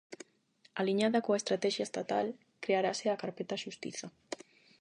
Aliñada coa estratexia estatal, crearase a Carpeta Xustiza.